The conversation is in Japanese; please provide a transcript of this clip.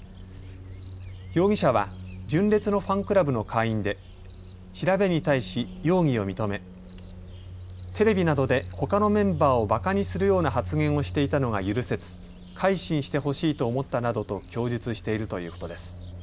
容疑者は純烈のファンクラブの会員で調べに対し、容疑を認めテレビなどでほかのメンバーをばかにするような発言をしていたのが許せず改心してほしいと思ったなどと供述しているということです。